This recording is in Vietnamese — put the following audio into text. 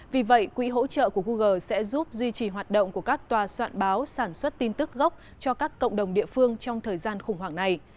vì vậy quỹ hỗ trợ của google sẽ giúp duy trì hoạt động của các tòa soạn báo sản xuất tin tức gốc cho các cộng đồng địa phương trong thời gian khủng hoảng này